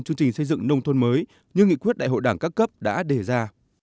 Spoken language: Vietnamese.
chương trình xây dựng nông thôn mới như nghị quyết đại hội đảng các cấp đã đề ra